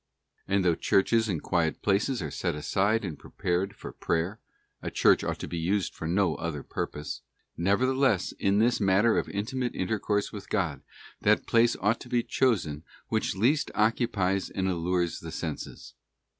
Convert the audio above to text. * And though Churches and quiet places are set aside and prepared for Prayer—a church ought to be used for no other purpose—nevertheless, in this matter of intimate intercourse with God, that place ought to be chosen which least occupies and allures the senses.